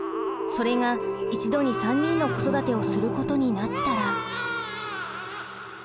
それが一度に３人の子育てをすることになったら。